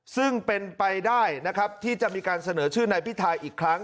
ซึ่งเป็นไปได้นะครับที่จะมีการเสนอชื่อนายพิทาอีกครั้ง